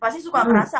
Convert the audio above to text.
pasti suka ngerasa